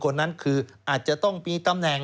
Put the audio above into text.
คนนั้นคืออาจจะต้องมีตำแหน่ง